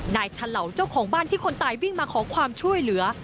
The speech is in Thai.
ฉลาเจ้าของบ้านที่คนตายวิ่งมาขอความช่วยเหลือ